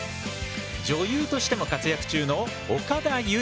女優としても活躍中の岡田結実。